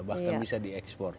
bahkan bisa diekspor